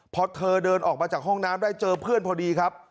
พอเธอเดินออกมาจากห้องน้ำได้เจอเพื่อนพอดีครับ